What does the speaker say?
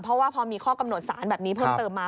เพราะว่าพอมีข้อกำหนดสารแบบนี้เพิ่มเติมมา